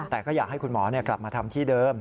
แต่ก็อยากให้คุณหมอกลับมาทำที่เดิม